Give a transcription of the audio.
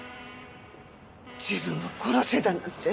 自分を殺せだなんて。